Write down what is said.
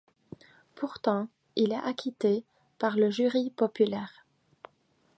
Pourtant, il est acquitté par le jury populaire.